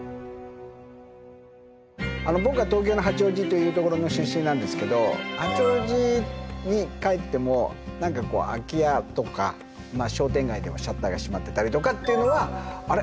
僕は東京の八王子というところの出身なんですけど八王子に帰っても何かこう空き家とか商店街でもシャッターが閉まってたりとかっていうのはあれ？